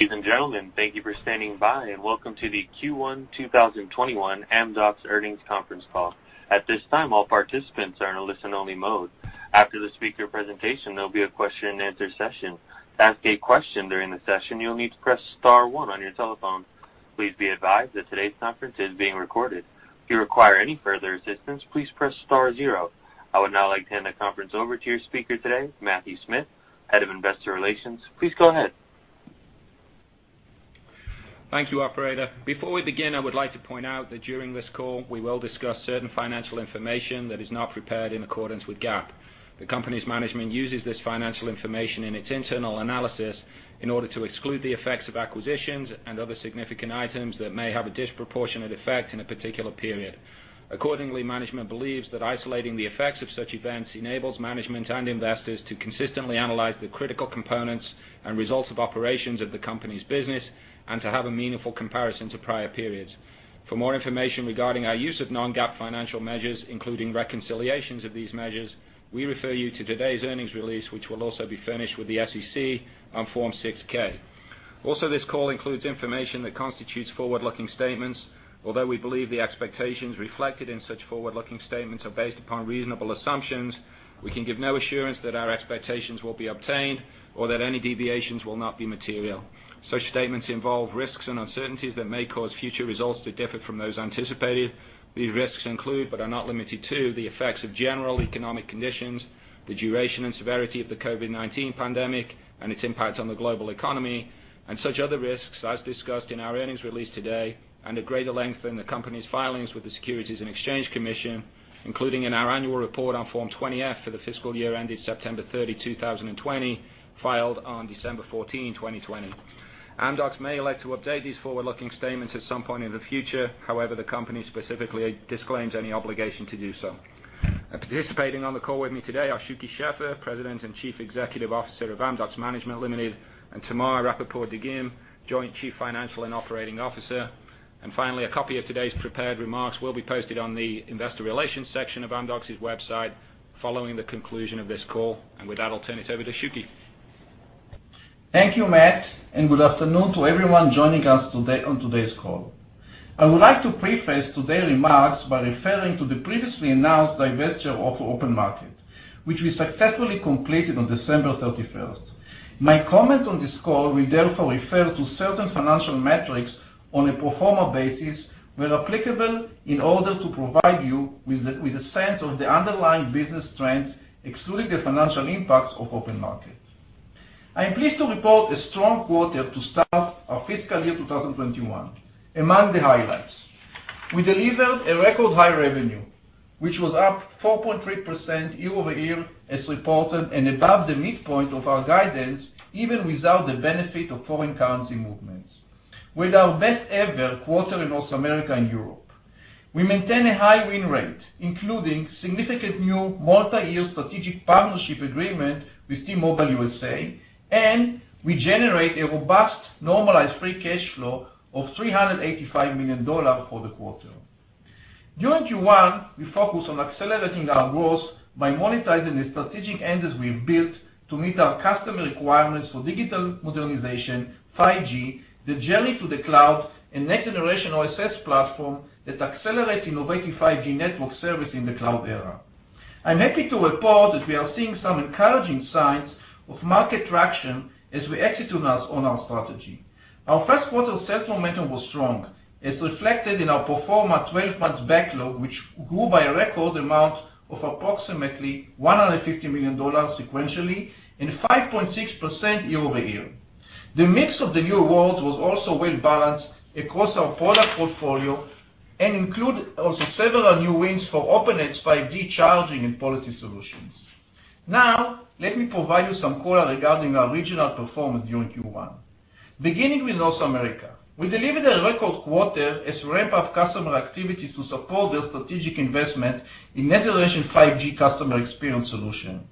Ladies and gentlemen, thank you for standing by, and welcome to the Q1 2021 Amdocs earnings conference call. At this time, all participants are in a listen-only mode. After the speaker presentation, there'll be a question and answer session. To ask a question during the session, you'll need to press star one on your telephone. Please be advised that today's conference is being recorded. If you require any further assistance, please press star zero. I would now like to hand the conference over to your speaker today, Matthew Smith, Head of Investor Relations. Please go ahead. Thank you, operator. Before we begin, I would like to point out that during this call, we will discuss certain financial information that is not prepared in accordance with GAAP. The company's management uses this financial information in its internal analysis in order to exclude the effects of acquisitions and other significant items that may have a disproportionate effect in a particular period. Management believes that isolating the effects of such events enables management and investors to consistently analyze the critical components and results of operations of the company's business, and to have a meaningful comparison to prior periods. For more information regarding our use of non-GAAP financial measures, including reconciliations of these measures, we refer you to today's earnings release, which will also be furnished with the SEC on Form 6-K. This call includes information that constitutes forward-looking statements. Although we believe the expectations reflected in such forward-looking statements are based upon reasonable assumptions, we can give no assurance that our expectations will be obtained or that any deviations will not be material. Such statements involve risks and uncertainties that may cause future results to differ from those anticipated. These risks include, but are not limited to, the effects of general economic conditions, the duration and severity of the COVID-19 pandemic and its impact on the global economy, and such other risks as discussed in our earnings release today, and at greater length in the company's filings with the Securities and Exchange Commission, including in our annual report on Form 20-F for the fiscal year ended September 30, 2020, filed on December 14, 2020. Amdocs may elect to update these forward-looking statements at some point in the future. However, the company specifically disclaims any obligation to do so. Participating on the call with me today are Shuky Sheffer, President and Chief Executive Officer of Amdocs Management Limited, and Tamar Rapaport-Dagim, Joint Chief Financial and Operating Officer. Finally, a copy of today's prepared remarks will be posted on the investor relations section of Amdocs' website following the conclusion of this call. With that, I'll turn it over to Shuky. Thank you, Matt. Good afternoon to everyone joining us on today's call. I would like to preface today remarks by referring to the previously announced divestiture of OpenMarket, which we successfully completed on December 31st. My comment on this call will therefore refer to certain financial metrics on a pro forma basis, where applicable, in order to provide you with a sense of the underlying business trends, excluding the financial impacts of OpenMarket. I am pleased to report a strong quarter to start our fiscal year 2021. Among the highlights, we delivered a record high revenue, which was up 4.3% year-over-year as reported, and above the midpoint of our guidance, even without the benefit of foreign currency movements. With our best ever quarter in North America and Europe, we maintain a high win rate, including significant new multi-year strategic partnership agreement with T-Mobile USA, and we generate a robust normalized free cash flow of $385 million for the quarter. During Q1, we focused on accelerating our growth by monetizing the strategic engines we've built to meet our customer requirements for digital modernization, 5G, the journey to the cloud, a next-generation OSS platform that accelerates innovative 5G network service in the cloud era. I'm happy to report that we are seeing some encouraging signs of market traction as we execute on our strategy. Our Q1 sales momentum was strong, as reflected in our pro forma 12 months backlog, which grew by a record amount of approximately $150 million sequentially and 5.6% year-over-year. The mix of the new awards was also well-balanced across our product portfolio, and include also several new wins for Openet 5G charging and policy solutions. Let me provide you some color regarding our regional performance during Q1. Beginning with North America, we delivered a record quarter as ramped up customer activities to support their strategic investment in next-generation 5G customer experience solution.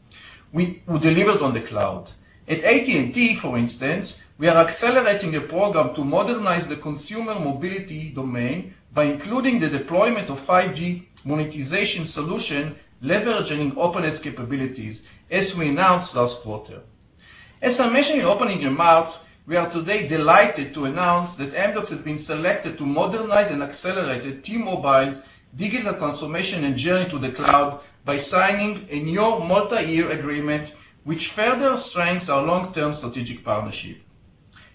We delivered on the cloud. At AT&T, for instance, we are accelerating a program to modernize the consumer mobility domain by including the deployment of 5G monetization solution leveraging Openet capabilities, as we announced last quarter. As I mentioned in opening remarks, we are today delighted to announce that Amdocs has been selected to modernize and accelerate T-Mobile digital transformation and journey to the cloud by signing a new multi-year agreement, which further strengths our long-term strategic partnership.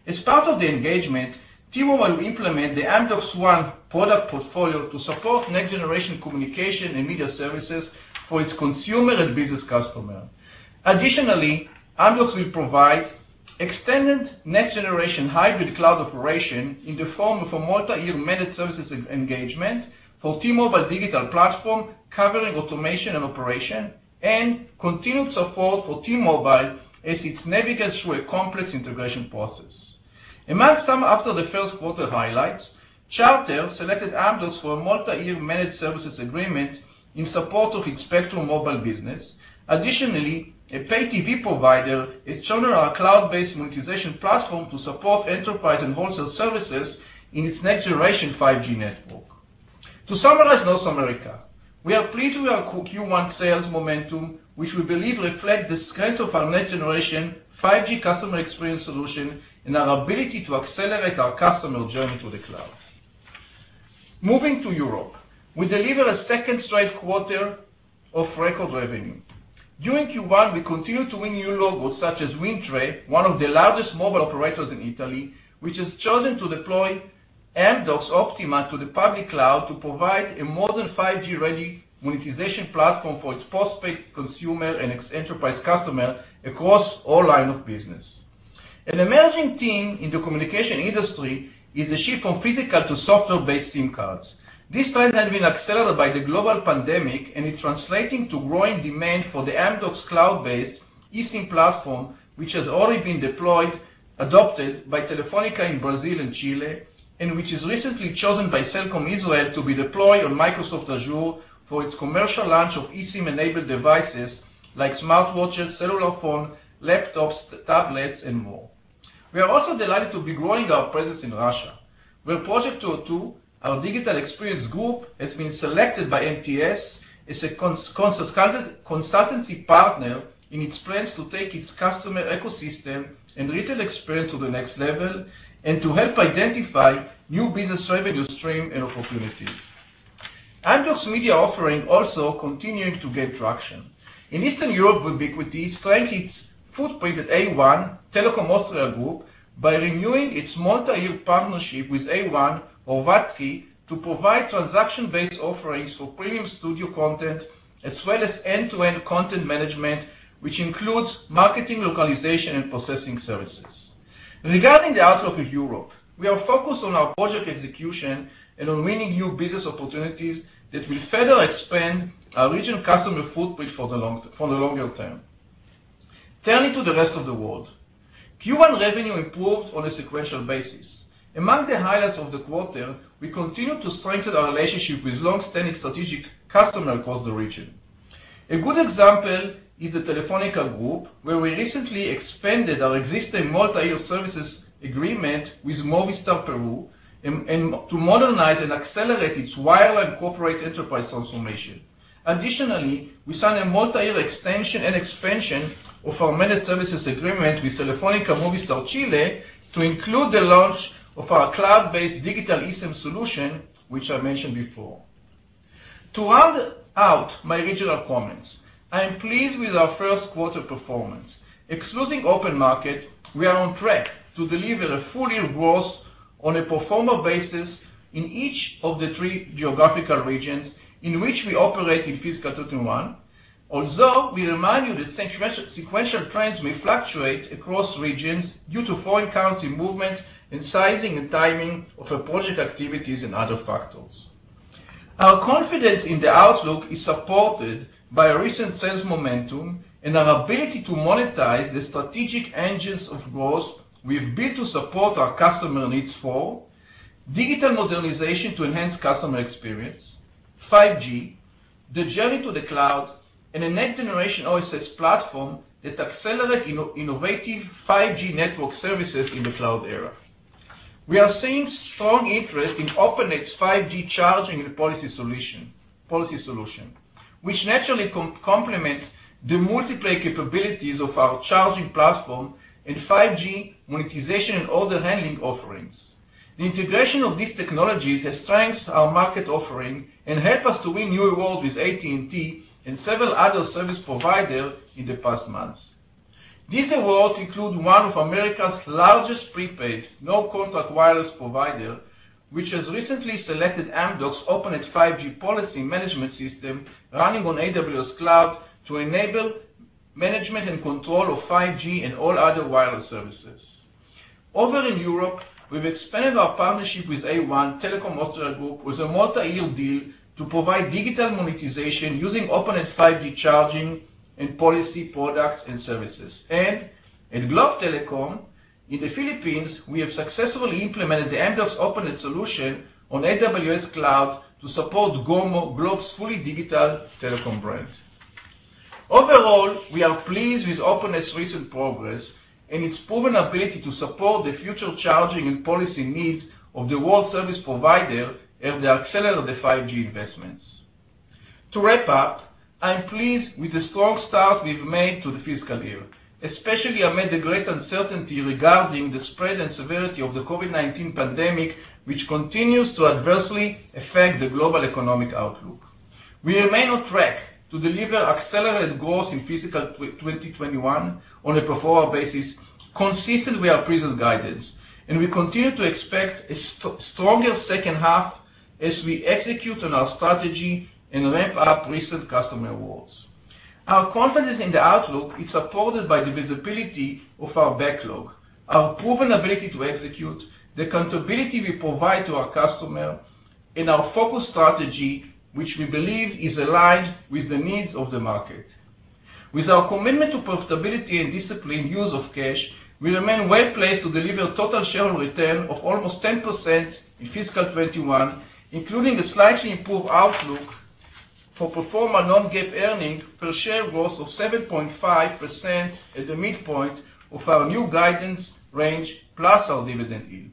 As part of the engagement, T-Mobile will implement the amdocsONE product portfolio to support next-generation communication and media services for its consumer and business customer. Additionally, Amdocs will provide extended next-generation hybrid cloud operation in the form of a multi-year managed services engagement for T-Mobile digital platform, covering automation and operation, and continued support for T-Mobile as it navigates through a complex integration process. A milestone after the Q1 highlights, Charter selected Amdocs for a multi-year managed services agreement in support of its Spectrum Mobile business. Additionally, a pay TV provider has chosen our cloud-based monetization platform to support enterprise and wholesale services in its next-generation 5G network. To summarize North America, we are pleased with our Q1 sales momentum, which we believe reflects the strength of our next-generation 5G customer experience solution and our ability to accelerate our customer journey to the cloud. Moving to Europe, we delivered a second straight quarter of record revenue. During Q1, we continued to win new logos such as WINDTRE, one of the largest mobile operators in Italy, which has chosen to deploy Amdocs Optima to the public cloud to provide a modern 5G-ready monetization platform for its post-paid consumer and its enterprise customer across all line of business. An emerging theme in the communication industry is the shift from physical to software-based eSIM cards. This trend has been accelerated by the global pandemic and is translating to growing demand for the Amdocs cloud-based eSIM platform, which has already been adopted by Telefónica in Brazil and Chile, and which is recently chosen by Cellcom Israel to be deployed on Microsoft Azure for its commercial launch of eSIM-enabled devices like smartwatches, cellular phone, laptops, tablets, and more. We are also delighted to be growing our presence in Russia, where projekt202, our digital experience group, has been selected by MTS as a consultancy partner in its plans to take its customer ecosystem and retail experience to the next level and to help identify new business revenue stream and opportunities. Amdocs Media offering also continuing to gain traction. In Eastern Europe, we've strengthened its footprint at A1 Telekom Austria Group by renewing its multi-year partnership with A1 Bulgaria to provide transaction-based offerings for premium studio content, as well as end-to-end content management, which includes marketing, localization, and processing services. Regarding the outlook of Europe, we are focused on our project execution and on winning new business opportunities that will further expand our regional customer footprint for the longer term. Turning to the rest of the world, Q1 revenue improved on a sequential basis. Among the highlights of the quarter, we continued to strengthen our relationship with longstanding strategic customer across the region. A good example is the Telefónica Group, where we recently expanded our existing multi-year services agreement with Movistar Perú to modernize and accelerate its wire and corporate enterprise transformation. Additionally, we signed a multi-year extension and expansion of our managed services agreement with Telefónica Movistar Chile to include the launch of our cloud-based digital eSIM solution, which I mentioned before. To round out my regional comments, I am pleased with our Q1 performance. Excluding OpenMarket, we are on track to deliver a full year growth on a pro forma basis in each of the three geographical regions in which we operate in fiscal 2021. Although, we remind you that sequential trends may fluctuate across regions due to foreign currency movement and sizing and timing of our project activities and other factors. Our confidence in the outlook is supported by our recent sales momentum and our ability to monetize the strategic engines of growth we've built to support our customer needs for digital modernization to enhance customer experience, 5G, the journey to the cloud, and a next-generation OSS platform that accelerate innovative 5G network services in the cloud era. We are seeing strong interest in Openet's 5G charging and policy solution, which naturally complements the multi-play capabilities of our charging platform and 5G monetization and order handling offerings. The integration of these technologies has strengthened our market offering and helped us to win new awards with AT&T and several other service provider in the past months. These awards include one of America's largest prepaid, no-contract wireless provider, which has recently selected Amdocs Openet 5G policy management system running on AWS Cloud to enable management and control of 5G and all other wireless services. Over in Europe, we've expanded our partnership with A1 Telekom Austria Group with a multi-year deal to provide digital monetization using Openet 5G charging and policy products and services. At Globe Telecom in the Philippines, we have successfully implemented the Amdocs Openet solution on AWS Cloud to support GOMO, Globe's fully digital telecom brand. Overall, we are pleased with Openet's recent progress and its proven ability to support the future charging and policy needs of the world service provider as they accelerate the 5G investments. To wrap up, I'm pleased with the strong start we've made to the fiscal year, especially amid the great uncertainty regarding the spread and severity of the COVID-19 pandemic, which continues to adversely affect the global economic outlook. We remain on track to deliver accelerated growth in fiscal 2021 on a pro forma basis, consistent with our previous guidance. We continue to expect a stronger H2 as we execute on our strategy and ramp up recent customer awards. Our confidence in the outlook is supported by the visibility of our backlog, our proven ability to execute, the accountability we provide to our customer, and our focus strategy, which we believe is aligned with the needs of the market. With our commitment to profitability and disciplined use of cash, we remain well-placed to deliver total shareholder return of almost 10% in fiscal 2021, including a slightly improved outlook for pro forma non-GAAP earnings per share growth of 7.5% at the midpoint of our new guidance range plus our dividend yield.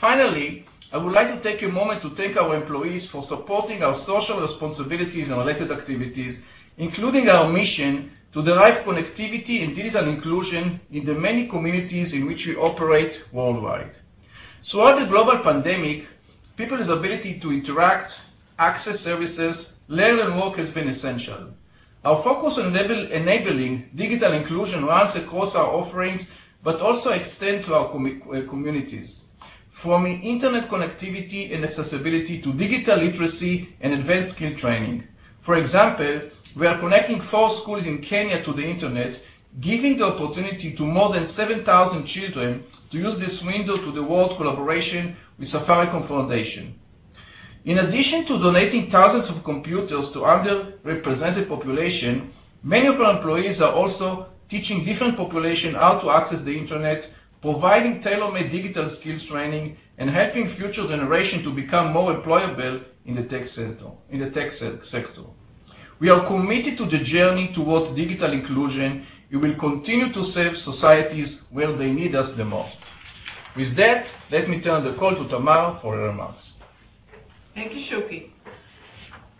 Finally, I would like to take a moment to thank our employees for supporting our social responsibilities and related activities, including our mission to derive connectivity and digital inclusion in the many communities in which we operate worldwide. Throughout the global pandemic, people's ability to interact, access services, learn, and work has been essential. Our focus on enabling digital inclusion runs across our offerings, but also extends to our communities, from internet connectivity and accessibility to digital literacy and advanced skill training. For example, we are connecting four schools in Kenya to the internet, giving the opportunity to more than 7,000 children to use this window to the world collaboration with Safaricom Foundation. In addition to donating thousands of computers to under-represented population, many of our employees are also teaching different population how to access the internet, providing tailor-made digital skills training, and helping future generation to become more employable in the tech sector. We are committed to the journey towards digital inclusion. We will continue to serve societies where they need us the most. With that, let me turn the call to Tamar for remarks. Thank you, Shuky.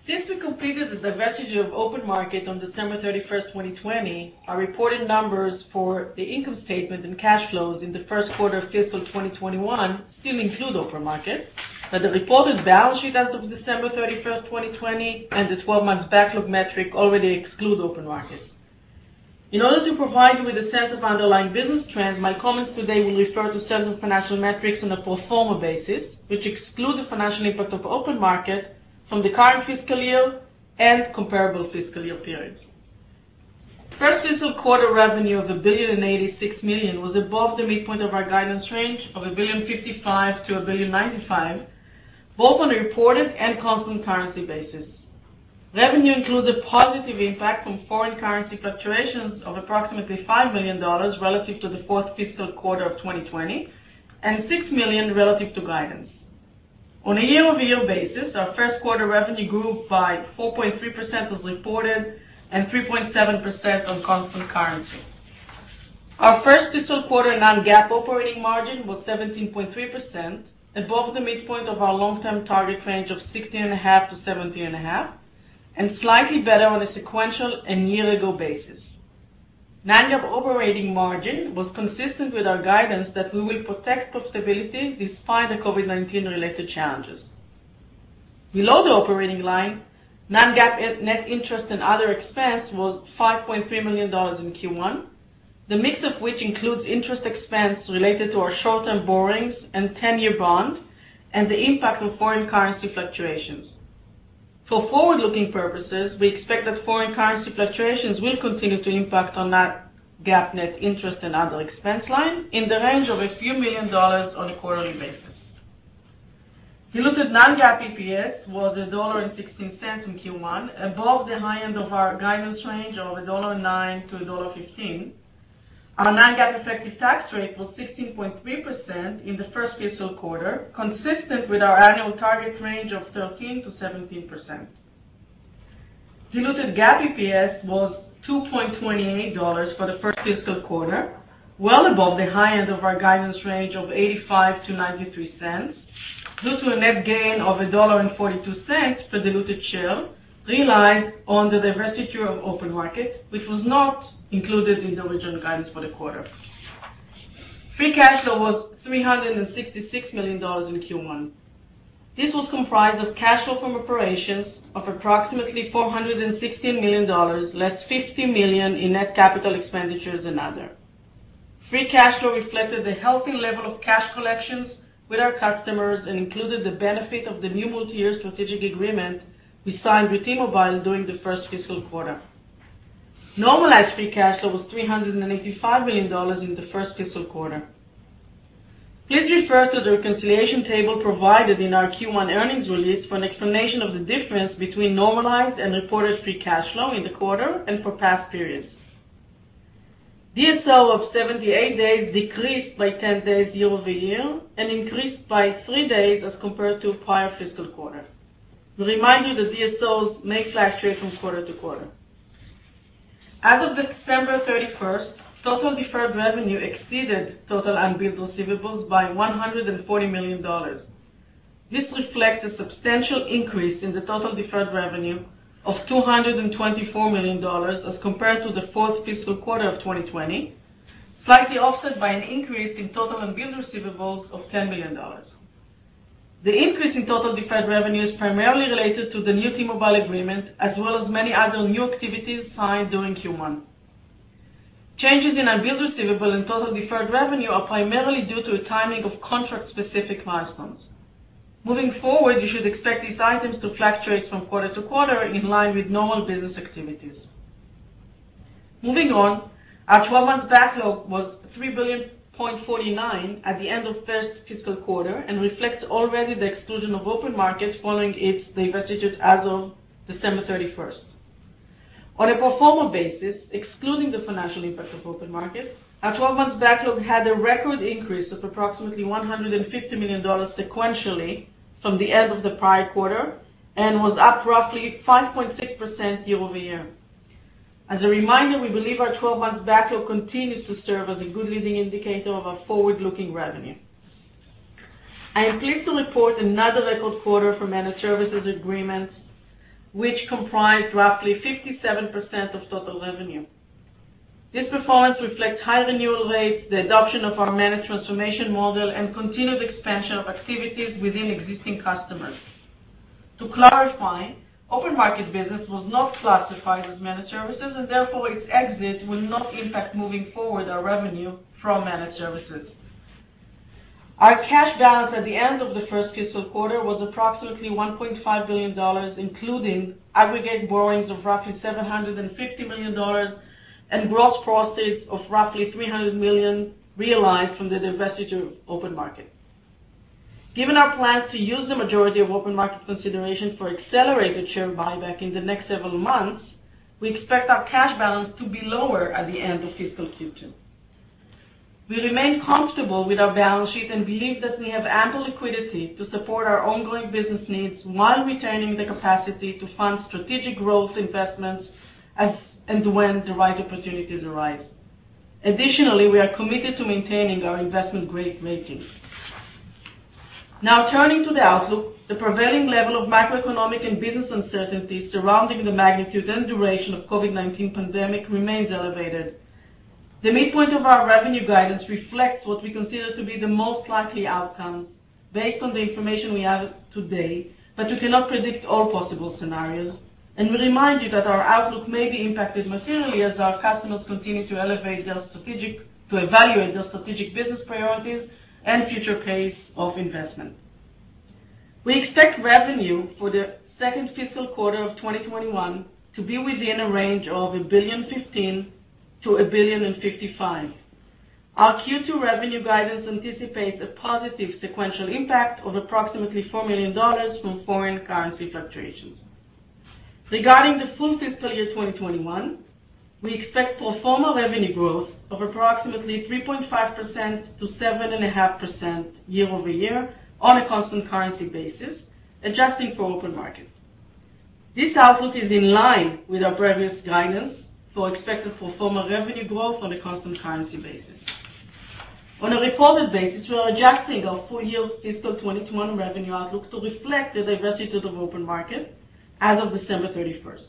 Since we completed the divestiture of OpenMarket on December 31st, 2020, our reported numbers for the income statement and cash flows in the Q1 of fiscal 2021 still include OpenMarket, but the reported balance sheet as of December 31st, 2020, and the 12-months backlog metric already exclude OpenMarket. In order to provide you with a sense of underlying business trends, my comments today will refer to certain financial metrics on a pro forma basis, which exclude the financial impact of OpenMarket from the current fiscal year and comparable fiscal year periods. First fiscal quarter revenue of $1,086,000,000 was above the midpoint of our guidance range of $1,055,000,000 to $1,095,000,000, both on a reported and constant currency basis. Revenue includes a positive impact from foreign currency fluctuations of approximately $5 million relative to the fourth fiscal quarter of 2020, and $6 million relative to guidance. On a year-over-year basis, our Q1 revenue grew by 4.3% as reported and 3.7% on constant currency. Our first fiscal quarter non-GAAP operating margin was 17.3%, above the midpoint of our long-term target range of 16.5%-17.5%, and slightly better on a sequential and year-ago basis. Non-GAAP operating margin was consistent with our guidance that we will protect profitability despite the COVID-19-related challenges. Below the operating line, non-GAAP net interest and other expense was $5.3 million in Q1, the mix of which includes interest expense related to our short-term borrowings and 10-year bond, and the impact of foreign currency fluctuations. For forward-looking purposes, we expect that foreign currency fluctuations will continue to impact on non-GAAP net interest and other expense line in the range of a few million dollars on a quarterly basis. Diluted non-GAAP EPS was $1.16 in Q1, above the high end of our guidance range of $1.09-$1.15. Our non-GAAP effective tax rate was 16.3% in the first fiscal quarter, consistent with our annual target range of 13%-17%. Diluted GAAP EPS was $2.28 for the first fiscal quarter, well above the high end of our guidance range of $0.85-$0.93, due to a net gain of $1.42 per diluted share realized on the divestiture of OpenMarket, which was not included in the original guidance for the quarter. Free cash flow was $366 million in Q1. This was comprised of cash flow from operations of approximately $416 million, less $50 million in net capital expenditures and other. Free cash flow reflected a healthy level of cash collections with our customers and included the benefit of the new multi-year strategic agreement we signed with T-Mobile during the first fiscal quarter. Normalized free cash flow was $385 million in the first fiscal quarter. Please refer to the reconciliation table provided in our Q1 earnings release for an explanation of the difference between normalized and reported free cash flow in the quarter and for past periods. DSO of 78 days decreased by 10 days year-over-year and increased by three days as compared to prior fiscal quarter. We remind you that DSOs may fluctuate from quarter to quarter. As of December 31st, total deferred revenue exceeded total unbilled receivables by $140 million. This reflects a substantial increase in the total deferred revenue of $224 million as compared to the fourth fiscal quarter of 2020, slightly offset by an increase in total unbilled receivables of $10 million. The increase in total deferred revenue is primarily related to the new T-Mobile agreement, as well as many other new activities signed during Q1. Changes in unbilled receivable and total deferred revenue are primarily due to a timing of contract-specific milestones. Moving forward, you should expect these items to fluctuate from quarter to quarter in line with normal business activities. Moving on, our 12-month backlog was $3.49 billion at the end of first fiscal quarter and reflects already the exclusion of OpenMarket following its divestiture as of December 31st. On a pro forma basis, excluding the financial impact of OpenMarket, our 12-month backlog had a record increase of approximately $150 million sequentially from the end of the prior quarter and was up roughly 5.6% year-over-year. As a reminder, we believe our 12-month backlog continues to serve as a good leading indicator of our forward-looking revenue. I am pleased to report another record quarter for managed services agreements, which comprised roughly 57% of total revenue. This performance reflects high renewal rates, the adoption of our managed transformation model, and continued expansion of activities within existing customers. To clarify, OpenMarket business was not classified as managed services, and therefore, its exit will not impact moving forward our revenue from managed services. Our cash balance at the end of the first fiscal quarter was approximately $1.5 billion, including aggregate borrowings of roughly $750 million and gross proceeds of roughly $300 million realized from the divestiture of OpenMarket. Given our plans to use the majority of OpenMarket consideration for accelerated share buyback in the next several months, we expect our cash balance to be lower at the end of fiscal Q2. We remain comfortable with our balance sheet and believe that we have ample liquidity to support our ongoing business needs while retaining the capacity to fund strategic growth investments as and when the right opportunities arise. Additionally, we are committed to maintaining our investment-grade rating. Now turning to the outlook, the prevailing level of macroeconomic and business uncertainty surrounding the magnitude and duration of COVID-19 pandemic remains elevated. The midpoint of our revenue guidance reflects what we consider to be the most likely outcome based on the information we have today, but we cannot predict all possible scenarios, and we remind you that our outlook may be impacted materially as our customers continue to evaluate their strategic business priorities and future pace of investment. We expect revenue for the second fiscal quarter of 2021 to be within a range of $1.15 billion-$1.55 billion. Our Q2 revenue guidance anticipates a positive sequential impact of approximately $4 million from foreign currency fluctuations. Regarding the full fiscal year 2021, we expect pro forma revenue growth of approximately 3.5%-7.5% year-over-year on a constant currency basis, adjusting for OpenMarket. This outlook is in line with our previous guidance for expected pro forma revenue growth on a constant currency basis. On a reported basis, we are adjusting our full year fiscal 2021 revenue outlook to reflect the divestiture of OpenMarket as of December 31st,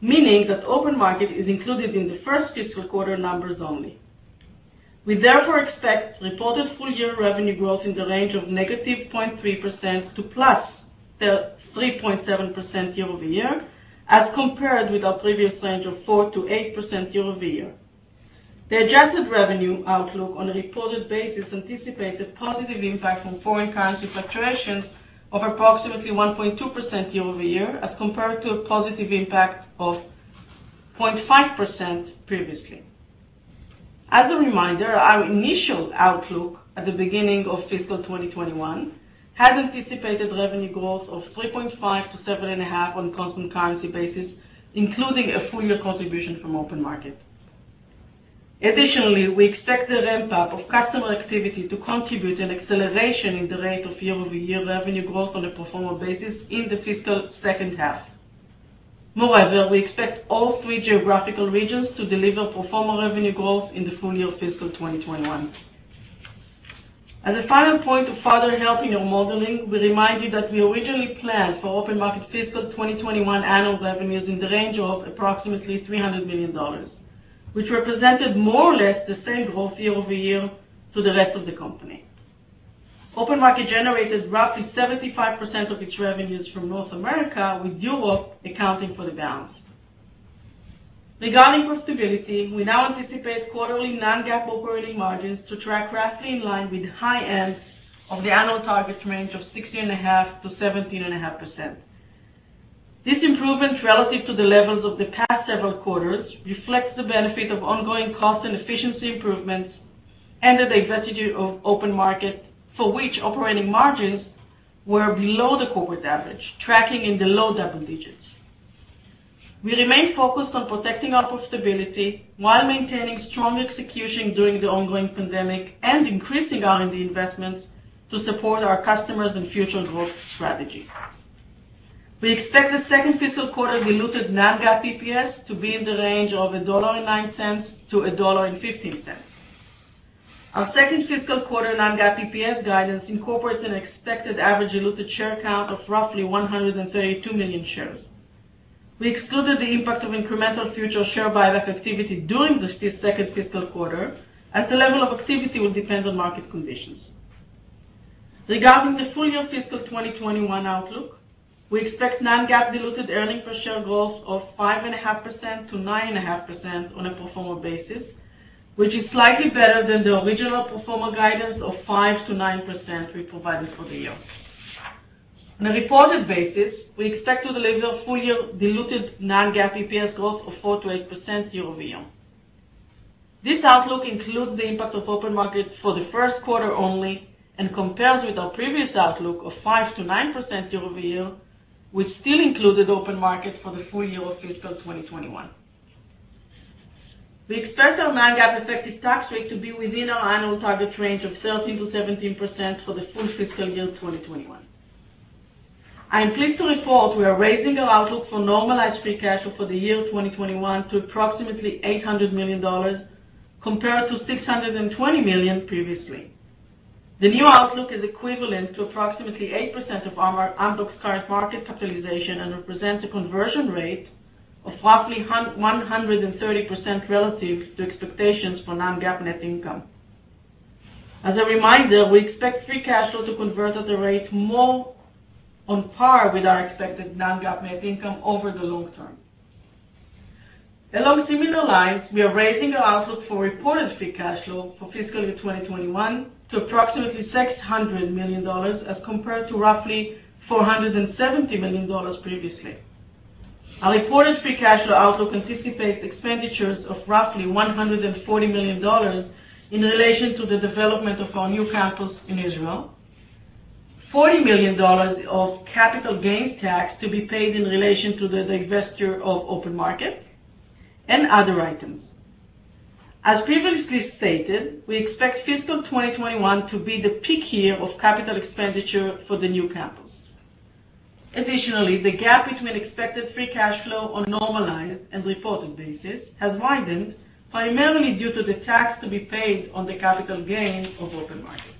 meaning that OpenMarket is included in the first fiscal quarter numbers only. We therefore expect reported full-year revenue growth in the range of -0.3% to +3.7% year-over-year, as compared with our previous range of 4%-8% year-over-year. The adjusted revenue outlook on a reported basis anticipates a positive impact from foreign currency fluctuations of approximately 1.2% year-over-year, as compared to a positive impact of 0.5% previously. As a reminder, our initial outlook at the beginning of fiscal 2021 had anticipated revenue growth of 3.5%-7.5% on a constant currency basis, including a full-year contribution from OpenMarket. Additionally, we expect the ramp-up of customer activity to contribute an acceleration in the rate of year-over-year revenue growth on a pro forma basis in the fiscal H2. Moreover, we expect all three geographical regions to deliver pro forma revenue growth in the full year of fiscal 2021. As a final point of further help in your modeling, we remind you that we originally planned for OpenMarket fiscal 2021 annual revenues in the range of approximately $300 million, which represented more or less the same growth year-over-year to the rest of the company. OpenMarket generated roughly 75% of its revenues from North America, with Europe accounting for the balance. Regarding profitability, we now anticipate quarterly non-GAAP operating margins to track roughly in line with high ends of the annual target range of 16.5%-17.5%. This improvement relative to the levels of the past several quarters reflects the benefit of ongoing cost and efficiency improvements and the divestiture of OpenMarket, for which operating margins were below the corporate average, tracking in the low double digits. We remain focused on protecting our profitability while maintaining strong execution during the ongoing pandemic and increasing R&D investments to support our customers and future growth strategy. We expect the second fiscal quarter diluted non-GAAP EPS to be in the range of $1.09 to $1.15. Our second fiscal quarter non-GAAP EPS guidance incorporates an expected average diluted share count of roughly 132 million shares. We excluded the impact of incremental future share buyback activity during the second fiscal quarter, as the level of activity will depend on market conditions. Regarding the full-year fiscal 2021 outlook, we expect non-GAAP diluted earnings per share growth of 5.5%-9.5% on a pro forma basis, which is slightly better than the original pro forma guidance of 5%-9% we provided for the year. On a reported basis, we expect to deliver full-year diluted non-GAAP EPS growth of 4%-8% year-over-year. This outlook includes the impact of OpenMarket for the Q1 only and compares with our previous outlook of 5%-9% year-over-year, which still included OpenMarket for the full year of fiscal 2021. We expect our non-GAAP effective tax rate to be within our annual target range of 13%-17% for the full fiscal year 2021. I am pleased to report we are raising our outlook for normalized free cash flow for the year 2021 to approximately $800 million, compared to $620 million previously. The new outlook is equivalent to approximately 8% of Amdocs' current market capitalization and represents a conversion rate of roughly 130% relative to expectations for non-GAAP net income. As a reminder, we expect free cash flow to convert at a rate more on par with our expected non-GAAP net income over the long term. Along similar lines, we are raising our outlook for reported free cash flow for fiscal year 2021 to approximately $600 million as compared to roughly $470 million previously. Our reported free cash flow outlook anticipates expenditures of roughly $140 million in relation to the development of our new campus in Israel, $40 million of capital gains tax to be paid in relation to the divestiture of OpenMarket, and other items. As previously stated, we expect fiscal 2021 to be the peak year of capital expenditure for the new campus. The gap between expected free cash flow on normalized and reported basis has widened, primarily due to the tax to be paid on the capital gains of OpenMarket.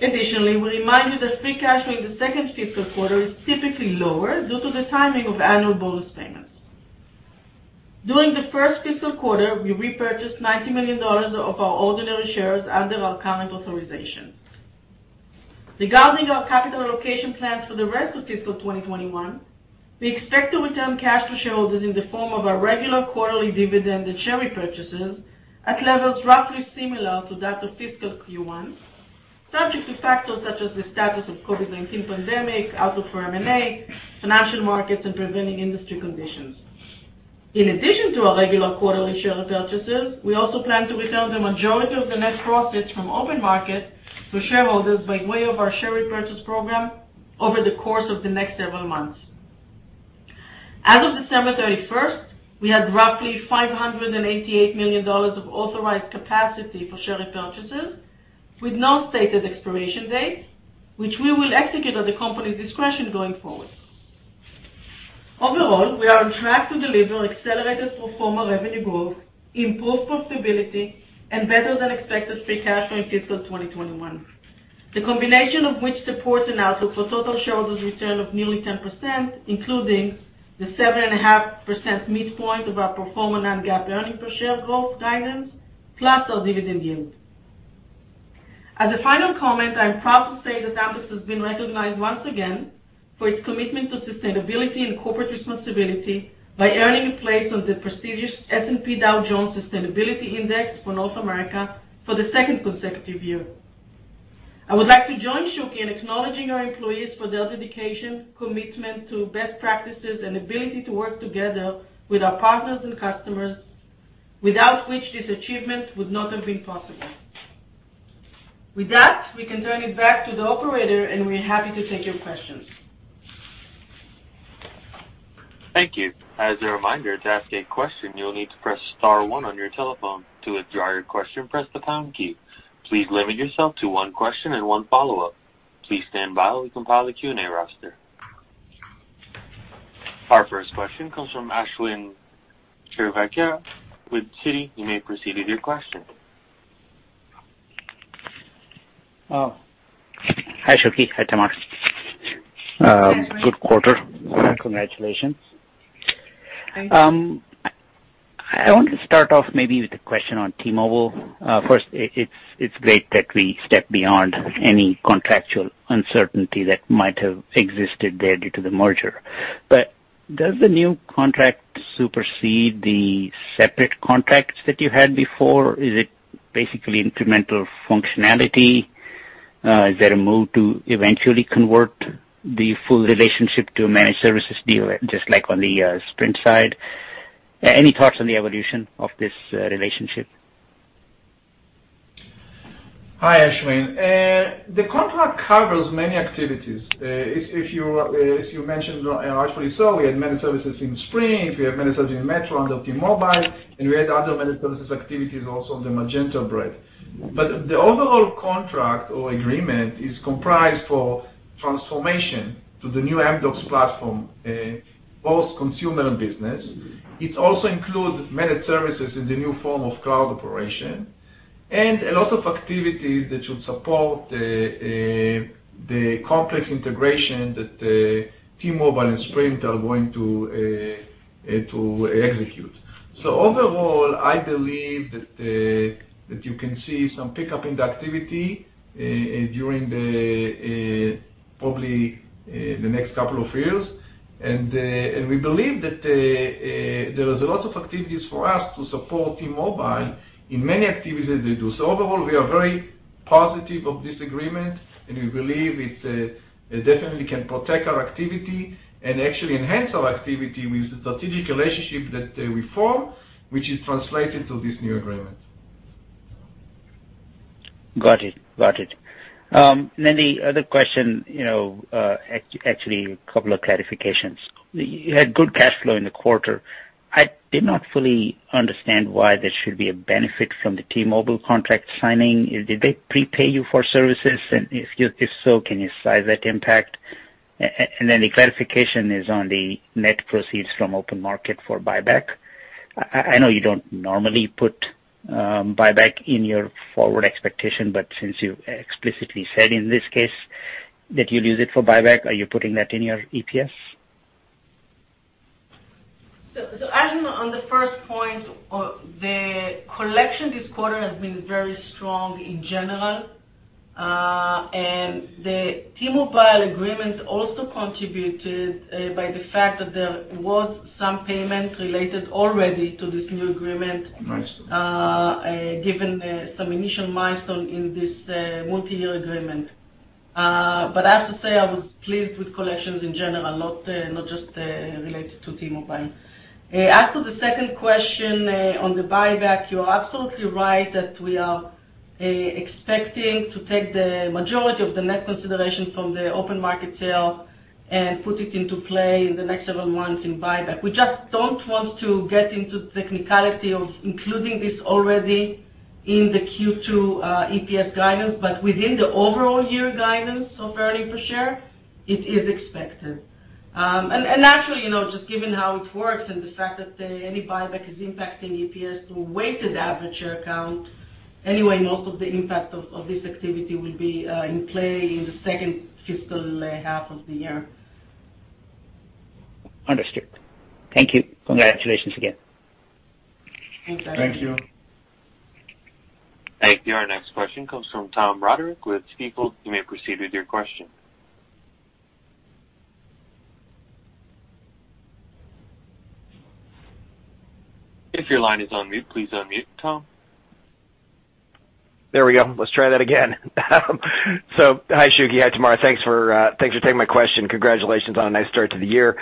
We remind you that free cash flow in the second fiscal quarter is typically lower due to the timing of annual bonus payments. During the first fiscal quarter, we repurchased $90 million of our ordinary shares under our current authorization. Regarding our capital allocation plans for the rest of fiscal 2021, we expect to return cash to shareholders in the form of our regular quarterly dividend and share repurchases at levels roughly similar to that of fiscal Q1, subject to factors such as the status of COVID-19 pandemic, outlook for M&A, financial markets, and prevailing industry conditions. In addition to our regular quarterly share repurchases, we also plan to return the majority of the net profits from OpenMarket to shareholders by way of our share repurchase program over the course of the next several months. As of December 31st, we had roughly $588 million of authorized capacity for share repurchases, with no stated expiration date, which we will execute at the company's discretion going forward. Overall, we are on track to deliver accelerated pro forma revenue growth, improved profitability, and better-than-expected free cash flow in fiscal 2021. The combination of which supports an outlook for total shareholders' return of nearly 10%, including the 7.5% midpoint of our pro forma non-GAAP EPS growth guidance, plus our dividend yield. As a final comment, I am proud to say that Amdocs has been recognized once again for its commitment to sustainability and corporate responsibility by earning a place on the prestigious S&P Dow Jones Sustainability Index for North America for the second consecutive year. I would like to join Shuky in acknowledging our employees for their dedication, commitment to best practices, and ability to work together with our partners and customers, without which this achievement would not have been possible. With that, we can turn it back to the operator, and we're happy to take your questions. Thank you. As a reminder, to ask a question, you'll need to press star one on your telephone. To withdraw your question, press the pound key. Please limit yourself to one question and one follow-up. Please stand by while we compile the Q&A roster. Our first question comes from Ashwin Shirvaikar with Citi. You may proceed with your question. Oh, hi, Shuky. Hi, Tamar. Hi. Good quarter. Congratulations. Thank you. I want to start off maybe with a question on T-Mobile. First, it's great that we stepped beyond any contractual uncertainty that might have existed there due to the merger. Does the new contract supersede the separate contracts that you had before? Is it basically incremental functionality? Is there a move to eventually convert the full relationship to a managed services deal, just like on the Sprint side? Any thoughts on the evolution of this relationship? Hi, Ashwin. The contract covers many activities. As you mentioned, and rightfully so, we had managed services in Sprint, we have managed services in Metro under T-Mobile, and we had other managed services activities also on the Magenta brand. The overall contract or agreement is comprised for transformation to the new Amdocs platform, both consumer and business. It also includes managed services in the new form of cloud operation and a lot of activities that should support the complex integration that T-Mobile and Sprint are going to execute. Overall, I believe that you can see some pickup in the activity during probably the next couple of years. We believe that there is a lot of activities for us to support T-Mobile in many activities that they do. Overall, we are very positive of this agreement, and we believe it definitely can protect our activity and actually enhance our activity with the strategic relationship that we form, which is translated to this new agreement. Got it. The other question, actually a couple of clarifications. You had good cash flow in the quarter. I did not fully understand why there should be a benefit from the T-Mobile contract signing. Did they prepay you for services? If so, can you size that impact? The clarification is on the net proceeds from OpenMarket for buyback. I know you don't normally put buyback in your forward expectation, but since you explicitly said in this case that you'll use it for buyback, are you putting that in your EPS? Ashwin, on the first point, the collection this quarter has been very strong in general. The T-Mobile agreement also contributed, by the fact that there was some payment related already to this new agreement. Milestone. Given some initial milestone in this multi-year agreement. I have to say, I was pleased with collections in general, not just related to T-Mobile. As to the second question on the buyback, you are absolutely right that we are expecting to take the majority of the net consideration from the OpenMarket sale and put it into play in the next several months in buyback. We just don't want to get into technicality of including this already in the Q2 EPS guidance. Within the overall year guidance of earning per share, it is expected. Actually, just given how it works and the fact that any buyback is impacting EPS through weighted average share count, anyway, most of the impact of this activity will be in play in the second fiscal half of the year. Understood. Thank you. Congratulations again. Thanks, Ashwin. Thank you. Thank you. Our next question comes from Tom Roderick with Stifel. You may proceed with your question. If your line is on mute, please unmute, Tom. There we go. Let's try that again. Hi, Shuky, hi, Tamar. Thanks for taking my question. Congratulations on a nice start to the year.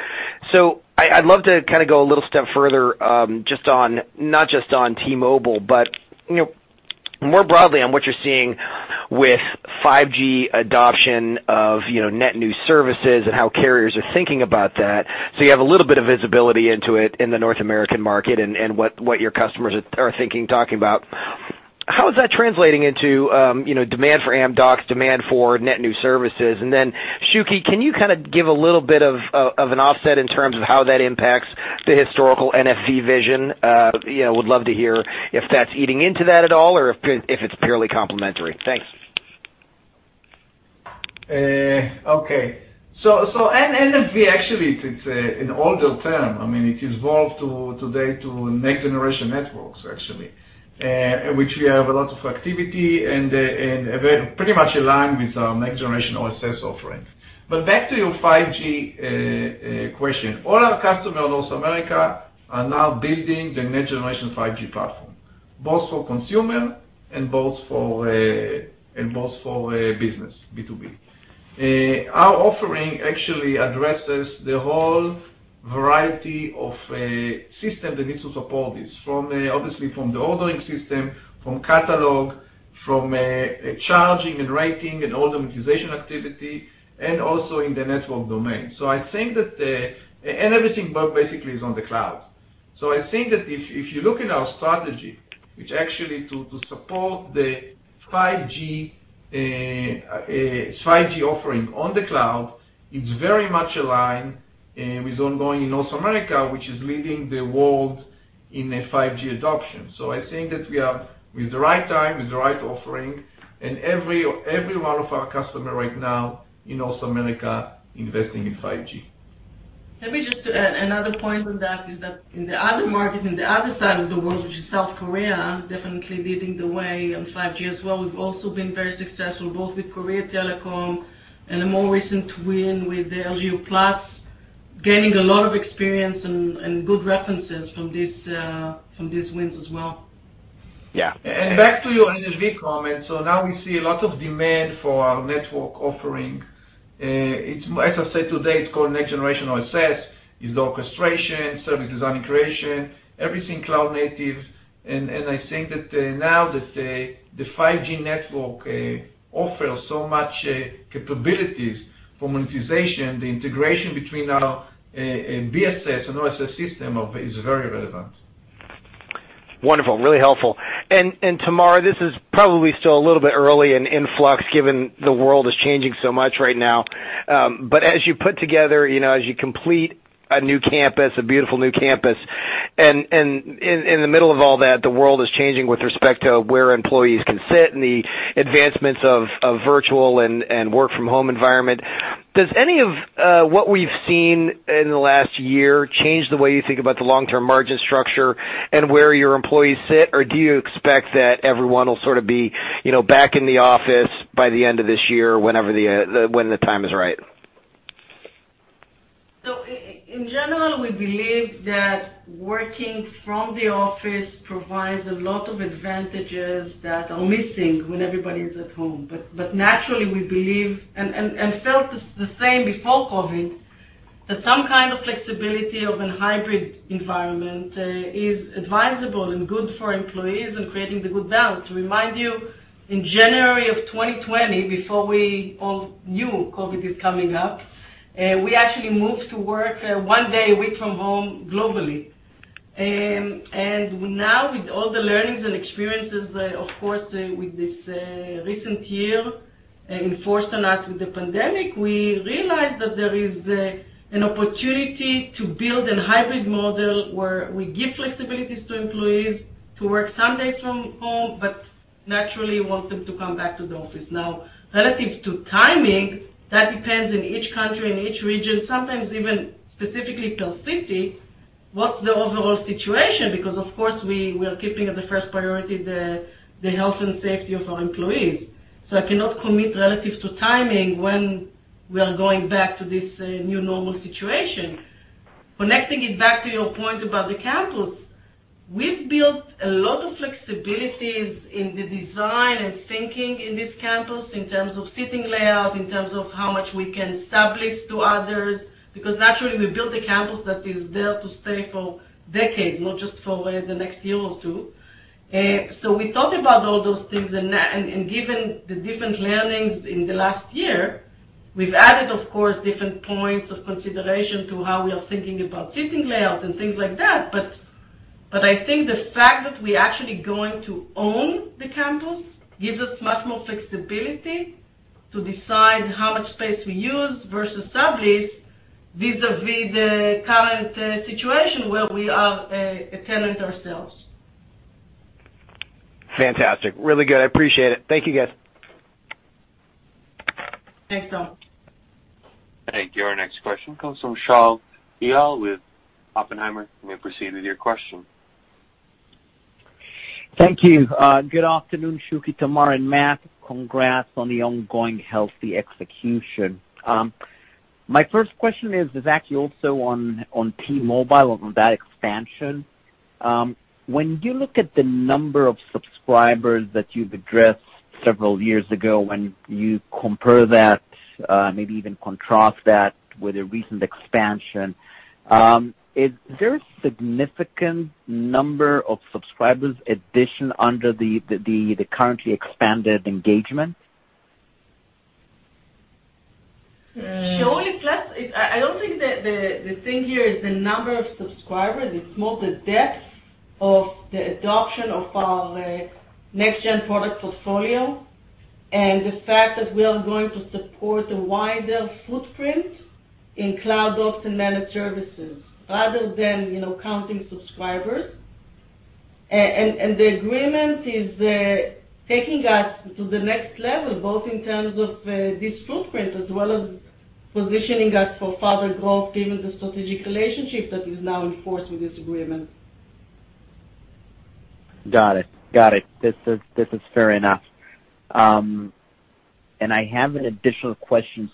I'd love to go a little step further, not just on T-Mobile, but more broadly on what you're seeing with 5G adoption of net new services and how carriers are thinking about that. You have a little bit of visibility into it in the North American market and what your customers are thinking, talking about. How is that translating into demand for Amdocs, demand for net new services? Shuky, can you give a little bit of an offset in terms of how that impacts the historical NFV vision? Would love to hear if that's eating into that at all, or if it's purely complementary. Thanks. NFV, actually, it's an older term. It evolved today to next-generation networks, actually, in which we have a lot of activity and pretty much aligned with our next generation OSS offering. Back to your 5G question. All our customers in North America are now building the next-generation 5G platform, both for consumer and both for business, B2B. Our offering actually addresses the whole variety of systems that need to support this. From the ordering system, from catalog, from charging and rating and order monetization activity, and also in the network domain. Everything basically is on the cloud. I think that if you look at our strategy, which actually to support the 5G offering on the cloud, it's very much aligned with ongoing in North America, which is leading the world in 5G adoption. I think that we are with the right time, with the right offering, and every one of our customer right now in North America investing in 5G. Let me just add another point on that, is that in the other market, in the other side of the world, which is South Korea, definitely leading the way on 5G as well. We've also been very successful both with KT Corporation and a more recent win with the LG U+, gaining a lot of experience and good references from these wins as well. Yeah. Back to your NFV comment. Now we see a lot of demand for our network offering. As I said today, it's called next generation OSS, is the orchestration, service design and creation, everything cloud native. I think that now that the 5G network offers so much capabilities for monetization, the integration between our BSS and OSS system is very relevant. Wonderful. Really helpful. Tamar, this is probably still a little bit early and in flux given the world is changing so much right now. As you put together, as you complete a new campus, a beautiful new campus, and in the middle of all that, the world is changing with respect to where employees can sit and the advancements of virtual and work from home environment. Does any of what we've seen in the last year change the way you think about the long-term margin structure and where your employees sit? Do you expect that everyone will sort of be back in the office by the end of this year whenever the time is right? In general, we believe that working from the office provides a lot of advantages that are missing when everybody is at home. Naturally, we believe, and felt the same before COVID, that some kind of flexibility of a hybrid environment is advisable and good for employees in creating the good balance. To remind you, in January of 2020, before we all knew COVID is coming up, we actually moved to work one day a week from home globally. Now, with all the learnings and experiences, of course, with this recent year enforced on us with the pandemic, we realized that there is an opportunity to build a hybrid model where we give flexibilities to employees to work some days from home, but naturally want them to come back to the office. Now, relative to timing, that depends on each country and each region, sometimes even specifically per city, what's the overall situation? Because of course, we are keeping as the first priority the health and safety of our employees. I cannot commit relative to timing when we are going back to this new normal situation. Connecting it back to your point about the campus, we've built a lot of flexibilities in the design and thinking in this campus in terms of sitting layout, in terms of how much we can sublease to others, because naturally, we built a campus that is there to stay for decades, not just for the next year or two. We thought about all those things, and given the different learnings in the last year, we've added, of course, different points of consideration to how we are thinking about sitting layouts and things like that. I think the fact that we actually going to own the campus gives us much more flexibility to decide how much space we use versus sublease, vis-à-vis the current situation where we are a tenant ourselves. Fantastic. Really good. I appreciate it. Thank you, guys. Thanks, Tom. Thank you. Our next question comes from Shaul Eyal with Oppenheimer. You may proceed with your question. Thank you. Good afternoon, Shuky, Tamar, and Matt. Congrats on the ongoing healthy execution. My first question is exactly also on T-Mobile, on that expansion. When you look at the number of subscribers that you've addressed several years ago, when you compare that, maybe even contrast that with the recent expansion, is there a significant number of subscribers addition under the currently expanded engagement? Shaul, I don't think the thing here is the number of subscribers. It's more the depth of the adoption of our next-gen product portfolio and the fact that we are going to support a wider footprint in cloud ops and managed services rather than counting subscribers. The agreement is taking us to the next level, both in terms of this footprint as well as positioning us for further growth given the strategic relationship that is now in force with this agreement. Got it. This is fair enough. I have an additional question.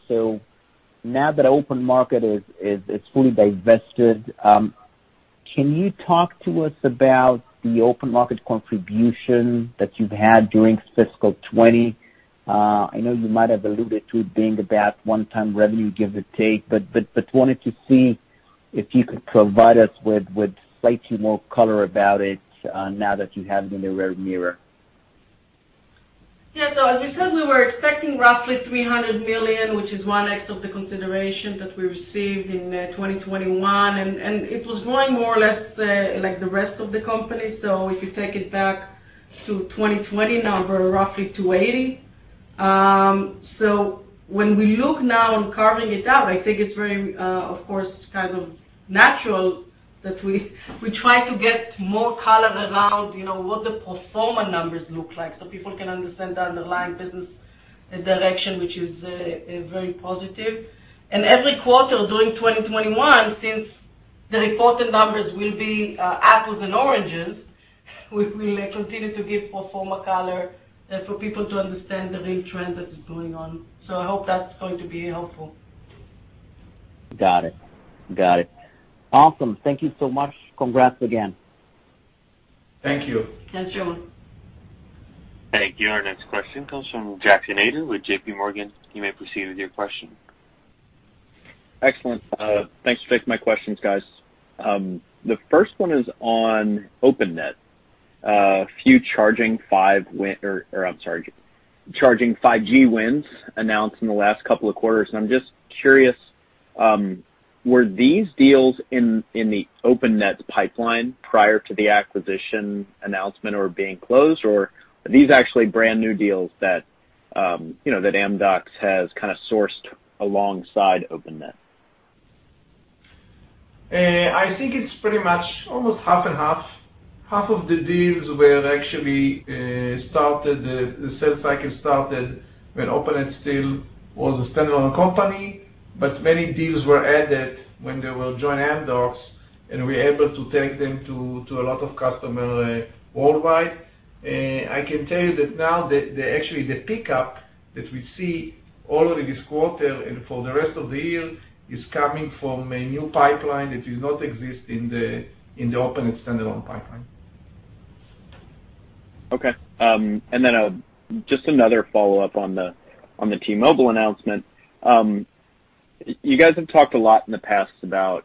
Now that OpenMarket is fully divested, can you talk to us about the OpenMarket contribution that you've had during fiscal 2020? I know you might have alluded to it being about one-time revenue, give or take, but wanted to see if you could provide us with slightly more color about it now that you have it in the rear mirror. Yeah. As we said, we were expecting roughly $300 million, which is 1x of the consideration that we received in 2021, and it was going more or less like the rest of the company. If you take it back to 2020 now, we're roughly $280 million. When we look now on carving it out, I think it's very, of course, kind of natural that we try to get more color around what the pro forma numbers look like so people can understand the underlying business direction, which is very positive. Every quarter during 2021, since the reported numbers will be apples and oranges, we will continue to give pro forma color for people to understand the real trend that is going on. I hope that's going to be helpful. Got it. Awesome. Thank you so much. Congrats again. Thank you. Thanks, Shaul. Thank you. Our next question comes from Jackson Ader with JPMorgan. You may proceed with your question. Excellent. Thanks for taking my questions, guys. The first one is on Openet. A few charging 5G wins announced in the last couple of quarters, and I'm just curious, were these deals in the Openet pipeline prior to the acquisition announcement or being closed, or are these actually brand-new deals that Amdocs has kind of sourced alongside Openet? I think it's pretty much almost half and half. Half of the deals were actually started, the sales cycle started when Openet still was a standalone company, but many deals were added when they will join Amdocs. We're able to take them to a lot of customer worldwide. I can tell you that now, actually, the pickup that we see all of this quarter and for the rest of the year is coming from a new pipeline that did not exist in the Openet standalone pipeline. Okay. Just another follow-up on the T-Mobile announcement. You guys have talked a lot in the past about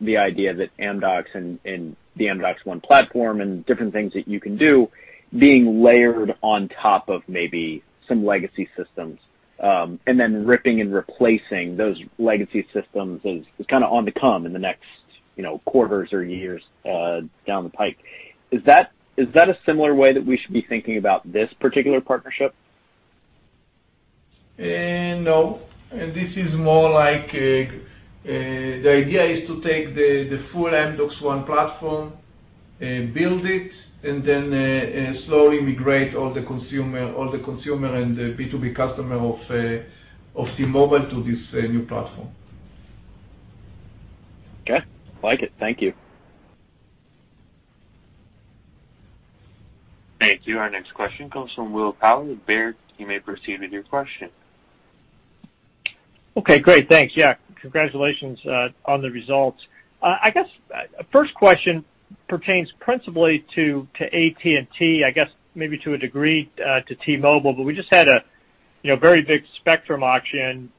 the idea that Amdocs and the amdocsONE platform and different things that you can do being layered on top of maybe some legacy systems, and then ripping and replacing those legacy systems is on to come in the next quarters or years down the pipe. Is that a similar way that we should be thinking about this particular partnership? No. The idea is to take the full amdocsONE platform, build it, and then slowly migrate all the consumer and the B2B customer of T-Mobile to this new platform. Okay. Like it. Thank you. Thank you. Our next question comes from Will Power with Baird. You may proceed with your question. Okay, great. Thanks. Yeah. Congratulations on the results. I guess, first question pertains principally to AT&T, I guess maybe to a degree to T-Mobile, but we just had a very big spectrum auction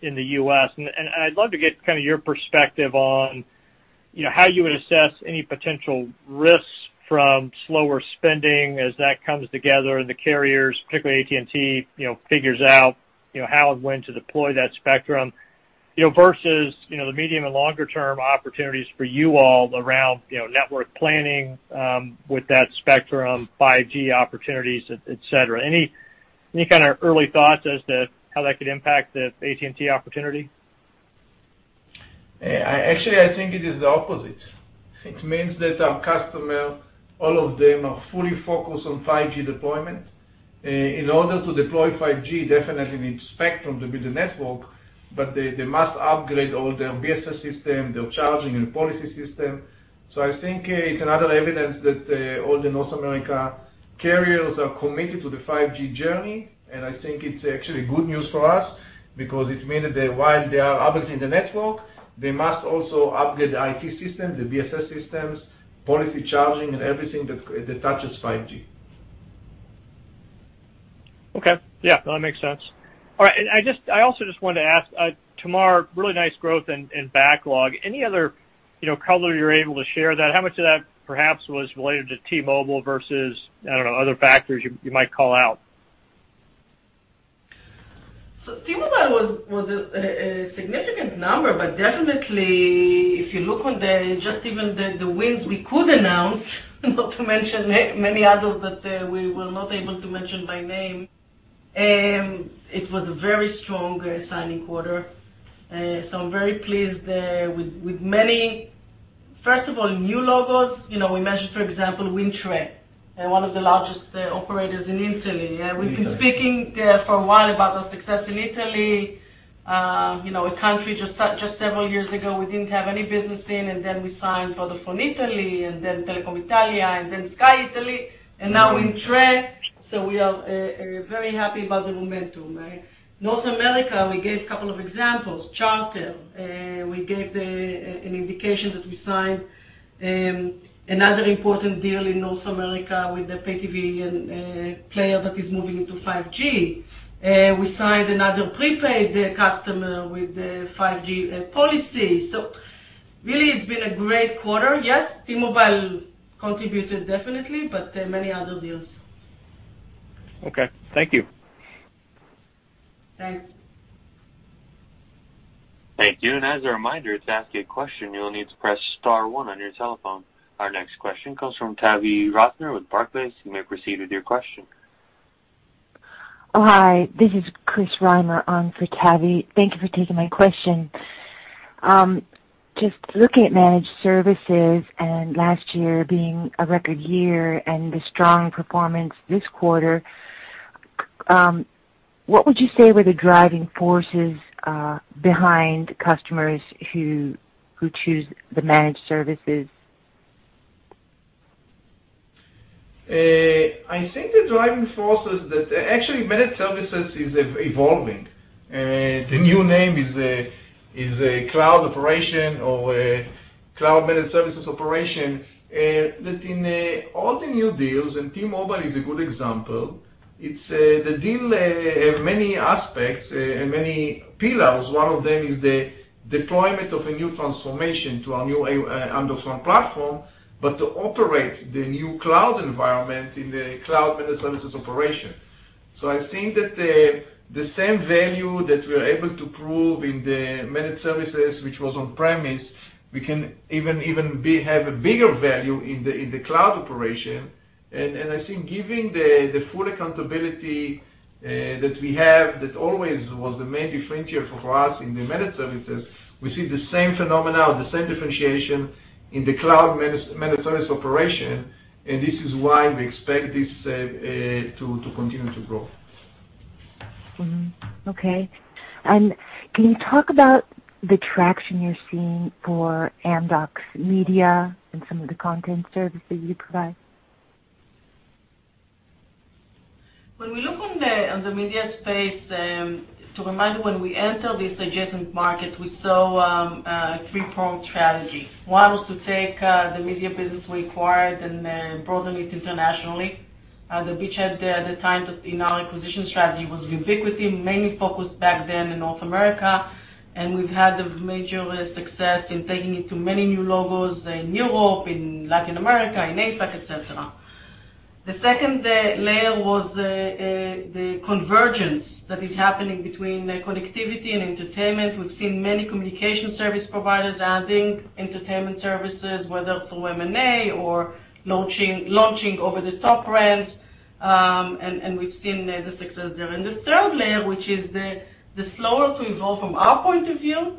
in the U.S., and I'd love to get your perspective on how you would assess any potential risks from slower spending as that comes together and the carriers, particularly AT&T, figures out how and when to deploy that spectrum, versus the medium and longer term opportunities for you all around network planning with that spectrum, 5G opportunities, et cetera. Any early thoughts as to how that could impact the AT&T opportunity? Actually, I think it is the opposite. It means that our customer, all of them, are fully focused on 5G deployment. In order to deploy 5G, definitely need spectrum to build the network, but they must upgrade all their BSS system, their charging and policy system. I think it's another evidence that all the North America carriers are committed to the 5G journey, and I think it's actually good news for us because it means that while they are upgrading the network, they must also upgrade the IT system, the BSS systems, policy charging, and everything that touches 5G. Okay. Yeah, that makes sense. All right. I also just wanted to ask, Tamar, really nice growth and backlog. Any other color you're able to share that? How much of that, perhaps, was related to T-Mobile versus, I don't know, other factors you might call out? T-Mobile was a significant number, but definitely, if you look on just even the wins we could announce, not to mention many others that we were not able to mention by name, it was a very strong signing quarter. I'm very pleased with many, first of all, new logos. We mentioned, for example, WINDTRE, one of the largest operators in Italy. In Italy. We've been speaking for a while about our success in Italy. A country just several years ago, we didn't have any business in, and then we signed Vodafone Italy, and then Telecom Italia, and then Sky Italia, and now WINDTRE. We are very happy about the momentum. North America, we gave a couple of examples. Charter, we gave an indication that we signed another important deal in North America with the pay TV player that is moving into 5G. We signed another prepaid customer with the 5G policy. Really, it's been a great quarter. Yes, T-Mobile contributed definitely, but many other deals. Okay. Thank you. Thanks. Thank you. As a reminder, to ask a question, you'll need to press star one on your telephone. Our next question comes from Tavy Rosner with Barclays. You may proceed with your question. Hi, this is Chris Reimer on for Tavy. Thank you for taking my question. Just looking at managed services and last year being a record year and the strong performance this quarter, what would you say were the driving forces behind customers who choose the managed services? I think the driving force is that actually, managed services is evolving. The new name is cloud operation or cloud managed services operation. That in all the new deals, and T-Mobile is a good example, the deal have many aspects and many pillars. One of them is the deployment of a new transformation to our new amdocsONE platform, but to operate the new cloud environment in the cloud managed services operation. I think that the same value that we're able to prove in the managed services, which was on premise, we can even have a bigger value in the cloud operation. I think giving the full accountability that we have, that always was the main differentiator for us in the managed services, we see the same phenomenon, the same differentiation in the cloud managed service operation, this is why we expect this to continue to grow. Okay. Can you talk about the traction you're seeing for Amdocs Media and some of the content services you provide? When we look on the media space, to remind you, when we enter this adjacent market, we saw a three-pronged strategy. One was to take the media business we acquired and broaden it internationally. The beachhead there at the time in our acquisition strategy was Vubiquity, mainly focused back then in North America, and we've had major success in taking it to many new logos in Europe, in Latin America, in APAC, et cetera. The second layer was the convergence that is happening between connectivity and entertainment. We've seen many communication service providers adding entertainment services, whether through M&A or launching over-the-top brands. We've seen the success there. The third layer, which is the slower to evolve from our point of view,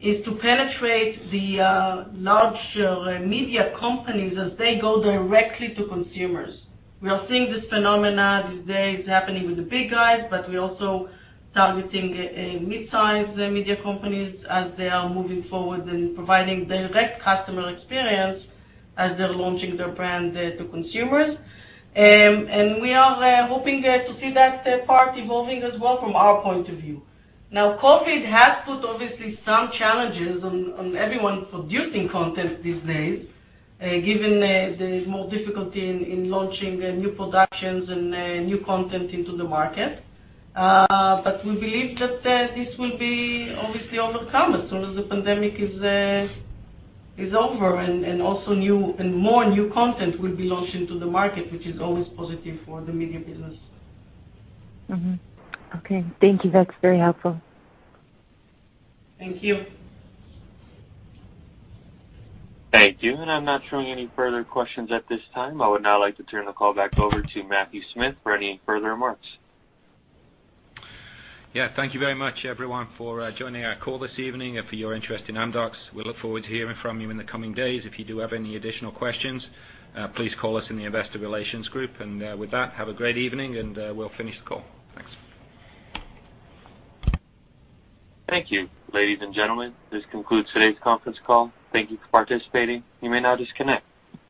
is to penetrate the larger media companies as they go directly to consumers. We are seeing this phenomenon these days happening with the big guys, but we're also targeting mid-size media companies as they are moving forward and providing direct customer experience as they're launching their brand to consumers. We are hoping to see that part evolving as well from our point of view. Now, COVID has put obviously some challenges on everyone producing content these days, given there is more difficulty in launching new productions and new content into the market. We believe that this will be obviously overcome as soon as the pandemic is over, and more new content will be launched into the market, which is always positive for the media business. Mm-hmm. Okay. Thank you. That's very helpful. Thank you. Thank you. I'm not showing any further questions at this time. I would now like to turn the call back over to Matthew Smith for any further remarks. Yeah. Thank you very much, everyone, for joining our call this evening and for your interest in Amdocs. We look forward to hearing from you in the coming days. If you do have any additional questions, please call us in the investor relations group. With that, have a great evening, and we'll finish the call. Thanks. Thank you. Ladies and gentlemen, this concludes today's conference call. Thank you for participating. You may now disconnect.